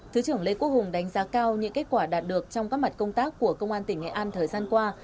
thứ trưởng lê quốc hùng đánh giá cao những kết quả đạt được trong các mặt công tác của công an tỉnh nghệ an thời gian qua